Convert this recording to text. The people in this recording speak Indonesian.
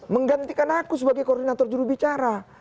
menggantikan aku sebagai koordinator jurubicara